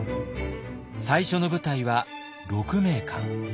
最初の舞台は鹿鳴館。